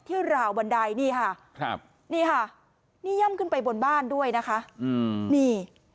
ราวบันไดนี่ค่ะครับนี่ค่ะนี่ย่ำขึ้นไปบนบ้านด้วยนะคะอืมนี่